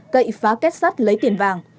cậy phá kết sắt lấy tiền vàng